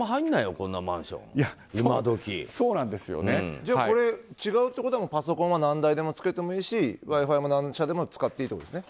こんなマンションこれ、違うってことはパソコンは何台でもつけてもいいしＷｉ‐Ｆｉも何社でも使っていいってことですね。